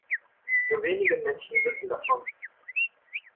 Nur wenige Menschen wissen davon.